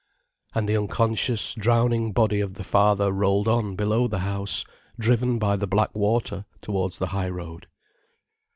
And the unconscious, drowning body of the father rolled on below the house, driven by the black water towards the high road.